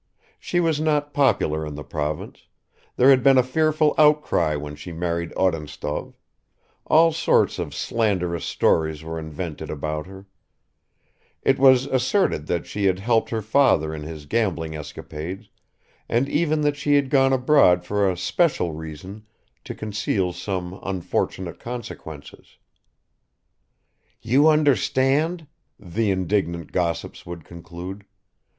She was not popular in the province; there had been a fearful outcry when she married Odintsov; all sorts of slanderous stories were invented about her; it was asserted that she had helped her father in his gambling escapades and even that she had gone abroad for a special reason to conceal some unfortunate consequences ... "You understand?" the indignant gossips would conclude.